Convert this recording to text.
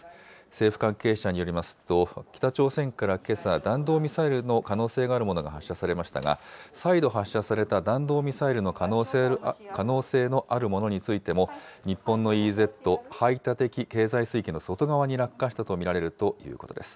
政府関係者によりますと、北朝鮮からけさ、弾道ミサイルの可能性があるものが発射されましたが、再度発射された弾道ミサイルの可能性のあるものについても、日本のＥＥＺ・排他的経済水域の外側に落下したと見られるということです。